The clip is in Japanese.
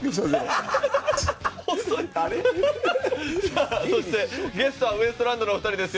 さあそしてゲストはウエストランドのお二人です。